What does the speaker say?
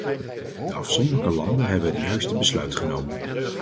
De afzonderlijke landen hebben het juiste besluit genomen.